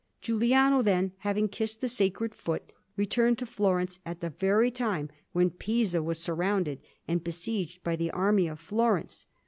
Giuliano, then, having kissed the sacred foot, returned to Florence, at the very time when Pisa was surrounded and besieged by the army of Florence.